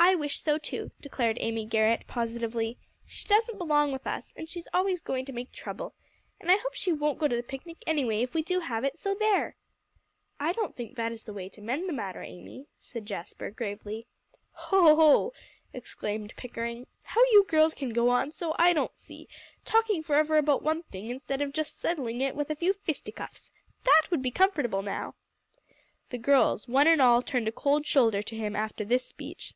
"I wish so too," declared Amy Garrett positively; "she doesn't belong with us; and she's always going to make trouble. And I hope she won't go to the picnic anyway, if we do have it, so there." "I don't think that is the way to mend the matter, Amy," said Jasper gravely. "Hoh, hoh!" exclaimed Pickering, "how you girls can go on so, I don't see; talking forever about one thing, instead of just settling it with a few fisticuffs. That would be comfortable now." The girls, one and all, turned a cold shoulder to him after this speech.